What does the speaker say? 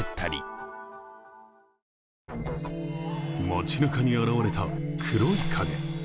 街なかに現れた黒い影。